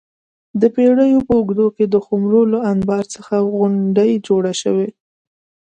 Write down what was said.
د پېړیو په اوږدو کې د خُمرو له انبار څخه غونډۍ جوړه شوه